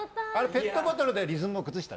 ペットボトルでリズムを崩した。